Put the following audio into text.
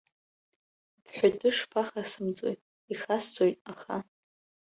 Бҳәатәы шԥахасымҵои, ихасҵоит, аха.